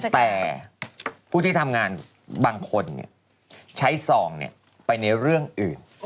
แต่ผู้ที่ทำงานบางคนใช้ซองไปในเรื่องอื่น